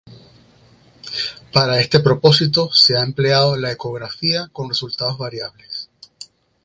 Para este propósito se ha empleado la ecografía con resultados variables.